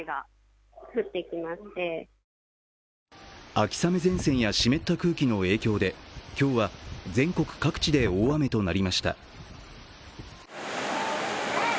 秋雨前線や湿った空気の影響で今日は全国各地で大雨となりました。